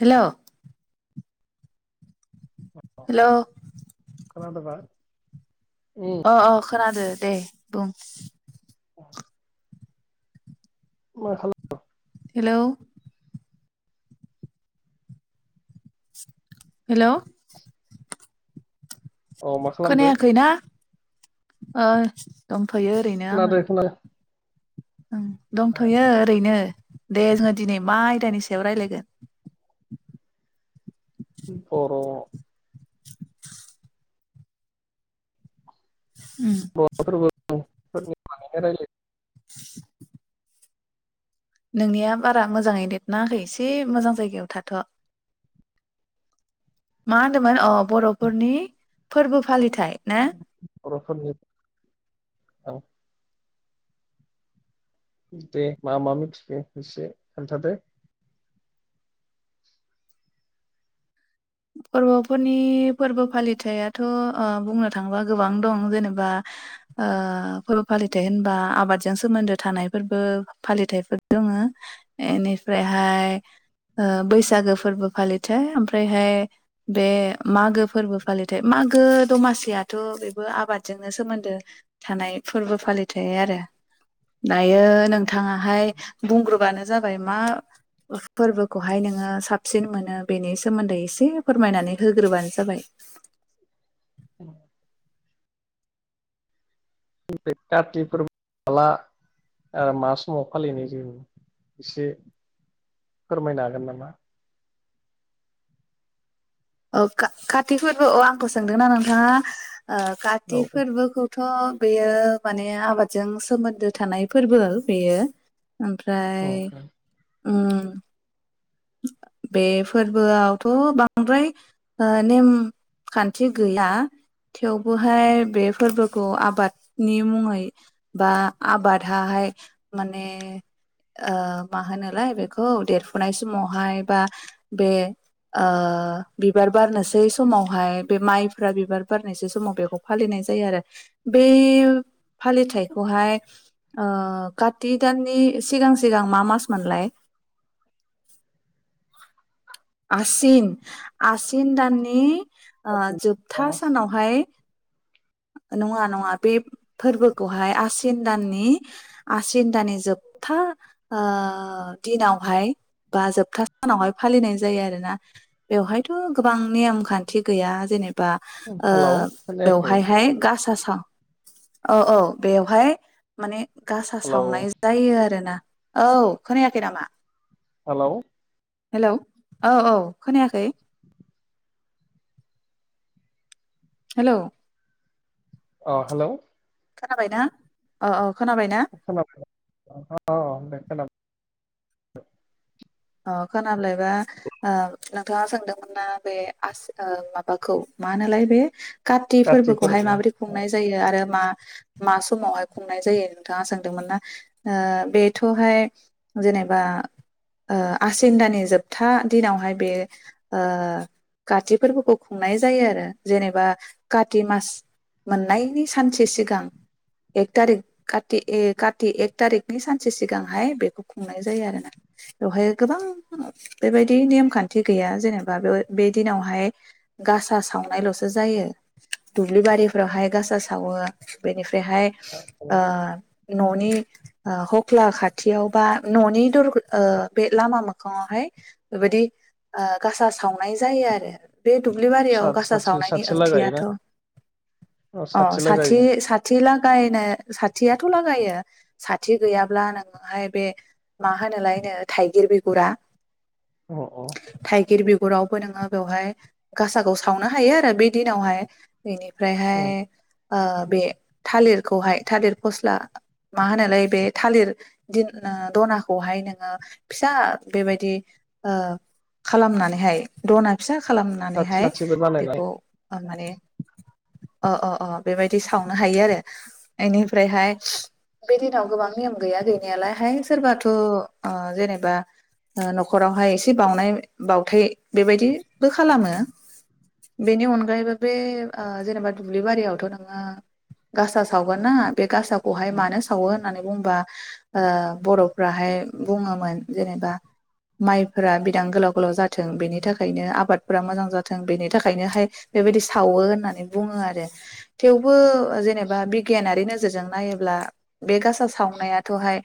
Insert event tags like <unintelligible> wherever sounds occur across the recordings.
Hello अ hello खोनादोबा उम अ अ खोनादो दे बुंं औ मा खालाम हेलौ हेल' औ मा खालामदो खोनायाखैना ओ दं फैयो ओरैनो आङो खोनादो खोनादो ओं ए दंथ'यो ओरैनो दे जोङो दिनै मा आयदानि सायाव रायलायगोन बेनोथ' र उम फोरनि बानायनाय <unintelligible> रायलाय <inaudible> नोंनिया बारा मोजाङै नेट नाङाखै एसे मोजां जायगायाव थाथ' मा होनदोंमोन अ बर'फोरनि फोरबो फालिथा थायना बर'फोरनि‌ औ दे मा मा मिथिखो एसे खोन्थादो बर'फोरनि फोरबो फालिथायाथ' ओ बुंनो थाङोबा गोबां दं जेनेबा ओ फोरबो फालिथाय होनबा आबादजों सोमोन्दो थानाय फोरबो फालिथायफोर दङ एनिफ्रायहाय ओ बैसागो फोरबो फालिथाय ओमफ्रायहाय बे मागो फोरबो फालिथाय मागो दमासियाथ' बेबो आबादजोंनो सोमोन्दो थानाय फोरबो फालिथाय आरो दायो नोंथाङाहाय बुंग्रोबानो जाबाय मा फोरबोखौहाय नोङो साबसिन मोनो बेनि सोमोन्दै एसे फोरमायनानै होग्रोबानो जाबाय <unintelligible> काति फोरबो माला ओ मा समाव फालिनाय जों एसे फोरमायनो हागोन नामा? औ काति फोरबो औ आंखौ सोंदोंना नोंथाङा ओ काति औ फोरबोखौथ' थ' बेयो माने आबादजों सोमोन्दो थानाय फोरबो बेयो औ ओमफ्राय उम बे फोरबोआवथ' बांद्राय ओ नेमखान्थि गैया थेवबोहाय बे फोरबोखौ आबादनि मुङै बा आबादहाहाय माने ओ मा होनोलाय बेखौ देरफुनाय समावहाय बा बे ओ बिबार बारनोसै समावहाय बे माइफ्रा बिबार बारनोसै समाव बेखौ फालिनाय जायो आरो बे फालिथायखौहाय ओ काति दाननि सिगां सिगां मा मास मोनलाय? आसिन आसिन दाननि ओ जोबथा सानावहाय नङा नङा बे फोरबोखौहाय आसिन दाननि आसिन दाननि जोबथा ओ दिनावहाय बा जोबथा सानावहाय फालिनाय जायो आरोना बेवहायथ' गोबां नेम खान्थि गैया जेनेबा बा ओ हेलौ खोनायाखै बेवहाय हाय गासा साव थां औ औ बेवहाय माने गासा हेलौ सावनाय जायो आरोना औ खोनायाखै नामा? हेलौ हेलौ औ औ खोनायाखै हेलौ अ हेलौ खोनाबायना‌? अ अ <unintelligible> <unintelligible> अ खोनाब्लायबा ओ नोंथाङा सोंदोंमोन ना बे आस माबाखौ मा होनोलाय बे काति फोरबोखौहाय माबोरै खुंनाय जायो आरो मा? मा समावहाय खुंनाय जायो नोंथाङा सोंदोंमोन ना ओ बेथ'हाय जेनेबा ओ आसिन दानि जोबथा दिनावहाय बे ओ काति फोरबोखौ खुंनाय जायो आरो जेनेबा काति मास मोननायनि सानसे सिगां एक तारिकत काति एक थारिकनि सानसे सिगांहाय बेखौ खुंनाय जायो आरोना बेवहाय गोबां बेबायदि नेमखान्थि गैया जेनेबा बे दिनावहाय गासा सावनायल'सो जायो दुब्लि बारिफोरावहाय गासा सावो बेनिफ्राय बेहाय ओ न'नि ओ हख्ला खाथियाव बा न'नि दर ओ बे लामा मोखाङावहाय बेबायदि ओ गासा सावनाय जायो आरो बे दुब्लिबारियाव गासा साथि सावनायनि साथि लागायोना ओंथियाथ' औ अ साथि लागायो साथि लागायनो साथियाथ' लागायो साथि गैयाब्ला नोङोहाय बे मा होनो लायनो थाइगिर बिगुरा अ अ। गुरावबो नोङो बेवहाय गासाखौ सावनो हायो आरो बे दिनावहाय बेनि औ फ्रायहाय ओ बे थालिरखौहाय थालिर फस्ला मा होनालाय बे थालिर दिन दनाखौहाय नोङो फिसा बेबायदि ओ खालामनानैहाय दना फिसा साथि खालामनानैहाय साथिबो बानायनाय बेखौ माने अ अ अ बेबायदि सावनो हायो आरो एनिफ्रायहाय बे दिनाव गोबां नियम गैया गैनायालाय हायथ' सोरबाथ' जेने बा न'खरावहाय एसे बावउनाय बावउथाय बेबायदिबो खालामो बेनि अनगायैबो बे ओ जेनेबा दुब्लि बारियावथ' नोङो गासा सावगोन ना बे गासाखौहाय औ मानो सावो? होननानै बुंबा ओ बर'फ्राहाय बुङोमोन। जेनेबा माइफोरा बिदां गोलाव गोलाव जाथों बेनि थाखायनो आबादफोरा मोजां जाथों बेनि थाखायनोहाय बेबायदि सावो होननानै बुङो आरो थेवबो जेनेबा बिगियानारि नोजोरजों नायोब्ला बे गासा सावनायाथ'हाय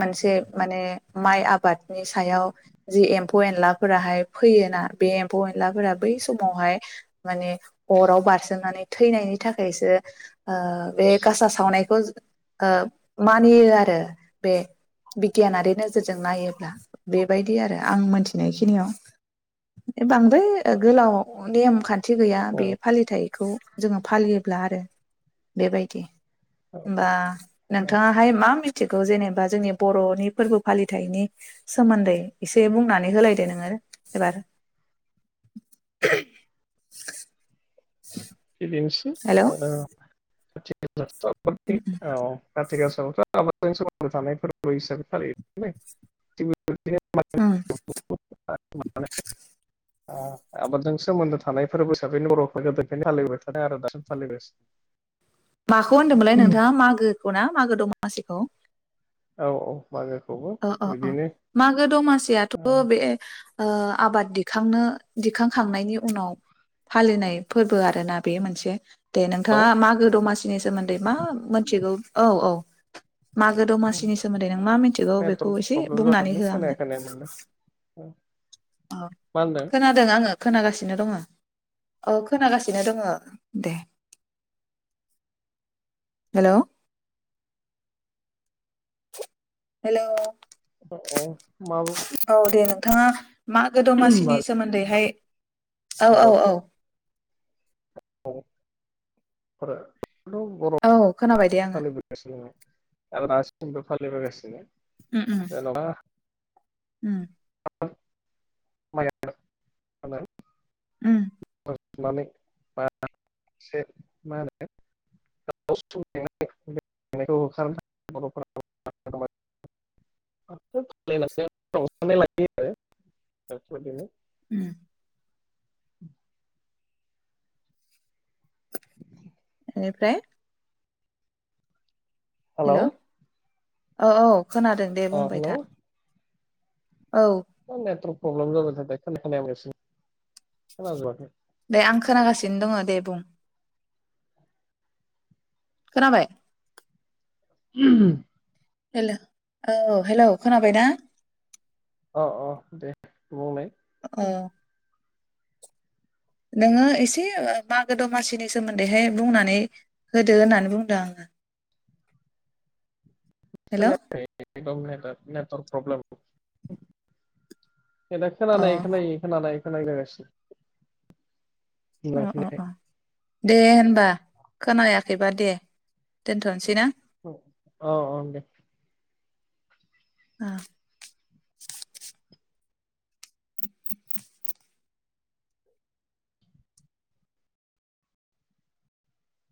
मोनसे माने माइ आ बादनि सायाव जि एम्फौ एनलाफोराहाय फैयोना बे एम्फौ एनलाफोरा बै समावहाय माने अराव बारसोमनानै थैनायनि थाखायसो बे गासा सावनायखौ मानियो आरो बे बिगियानारि नोजोरजों नायो। बेबायदि आरो आं मोनथिनायखिनियाव बांद्राय गोलाव नेम खान्थि खाथि गैया बे औ फालिथाइ बे खौ जोङो फालियोब्ला आरो बे बायदि होनबा औ नोंथाङाहाय मा मिथिगौ जेनेबा जोंनि बर'नि फोरबो फालिथायनि सोमोन्दै एसे बुंनानै होलायदो नोङो एबा <inaudible> बेनोसै ओ। औ <unintelligible> आथिखालावथ' आबादजों सोमोन्दो थानाय फोरबो हिसाबै फालियो। बेबायदिनो उम। आबादजों सोमोन्दो थानायफोर हिसाबै बर'फोर गोदो फालिबाय थानाय आरो दासिम फालिगासिनो माखौ होन्दोंमोनलाय नोंथाङा मागो? खौ ना मागो दं मासिखौ औ औ। मागोखौबो अ अ अ बिदिनो मागो दमासियाथ' बे आबाद दिखांनो दिखांखांनायनि उनाव फालिनाय फोरबो आरो ना बे मोनसे दे औ नोंथाङा मागो दमासि नि सोमोन्दै मा मिथिगौ औ औ। मागो दमासिनि सोमोन्दै नों मा मिन बेखौ नेटवर्क एसे प्रब्लेम बुंनानै हो आंनो औ <inaudible> औ खोनादों आङो खोनागासिनो दङ औ खोनागासिनो दङ दे हेलौ हेलौ अ अ <unintelligible> माब <unintelligible> औ दे नोंथाङा मागो दमासिनि सोमोन्दैहाय औ औ औ हदो <unintelligible> आंथ बर' औ खोनाबाय दे आङो फालिबोगासिनो दङ आरो आथिखालसिमबो फालिबोगासिनो उम उम जेन'बा उम माया <unintelligible> उम मा होनो हो <unintelligible> नायायो आरोदिनो <unintelligible> उम औ <unintelligible> <inaudible> बेनिफ्राय हालौ अ औ खोनादों दे बुंबाय था औ <unintelligible> प्रब्लेम जाबाय थादों <inaudible> खोनायाखै <inaudible> एसे दे आं खोनागासिनो दङ दे बुं खोनाबाय <unintelligible> हेल' औ हेल' खोनाबाय ना अ अ दे बुंलाय औ नोङो एसे ओ मागो दमासिनि सोमोन्दैहाय बुंनानै होदो होननानै बुंदों आङो <unintelligible> हेल' ने नेटर्क प्रब्लेम अ खोनानाय खोनायि खोनानाय <unintelligible> अ अ खोनायाखै अ दे होनबा खोनायाखै बा दे दोनथ'नोसै ना औ औ दे अ